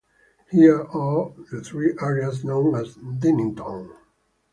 Here are the three areas known as Dinnington.